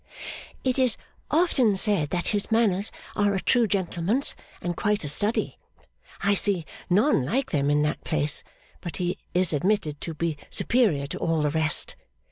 'It is often said that his manners are a true gentleman's, and quite a study. I see none like them in that place, but he is admitted to be superior to all the rest.